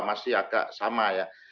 masih agak sama ya